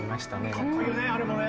かっこいいよねあれもね。